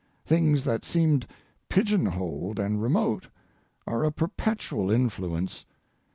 Things that seemed pigeon holed and remote are a perpetual influence.